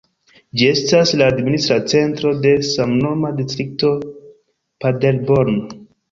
Ĝi estas la administra centro de samnoma distrikto Paderborn.